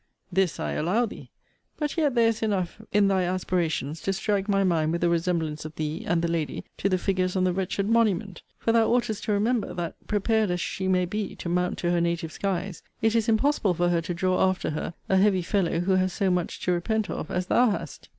This I allow thee. But yet there is enough in thy aspirations to strike my mind with a resemblance of thee and the lady to the figures on the wretched monument; for thou oughtest to remember, that, prepared as she may be to mount to her native skies, it is impossible for her to draw after her a heavy fellow who has so much to repent of as thou hast.